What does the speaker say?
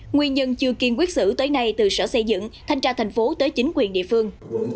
nguyên nhân chưa kiên quyết xử tới nay từ sở xây dựng thanh tra thành phố tới chính quyền địa phương